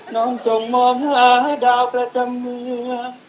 จงมองหาดาวประจำเมือง